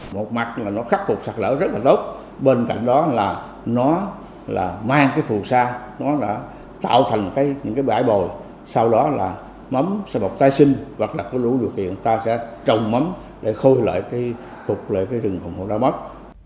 một mặt là nó khắc phục sạc lỡ rất là tốt bên cạnh đó là nó mang cái phù sa nó đã tạo thành những cái bãi bồi sau đó là mắm sẽ bọc tai sinh hoặc là có lũ được thì người ta sẽ trồng mắm để khôi lại phục lại cái rừng hồn hồ đá mất